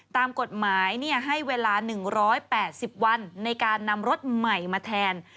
ตามกฎหมายให้เวลา๑๘๐วันในการนำรถใหม่มาแทน